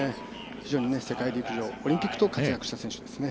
非常に世界陸上、オリンピックと活躍した選手ですね。